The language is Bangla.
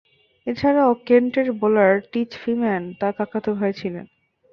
এছাড়াও কেন্টের বোলার টিচ ফ্রিম্যান তার কাকাতো ভাই ছিলেন।